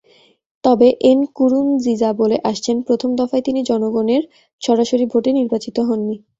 তবে এনকুরুনজিজা বলে আসছেন, প্রথম দফায় তিনি জনগণের সরাসরি ভোটে নির্বাচিত হননি।